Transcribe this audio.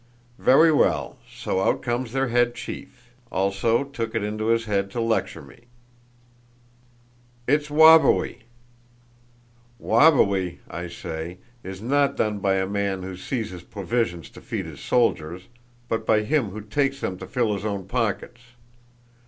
Vewy well, so out comes their head chief—also took it into his head to lecture me: 'It's wobbewy!'—'Wobbewy,' I say, 'is not done by man who seizes pwovisions to feed his soldiers, but by him who takes them to fill his own pockets!